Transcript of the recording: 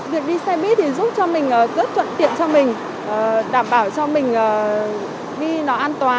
việc đi xe buýt thì giúp cho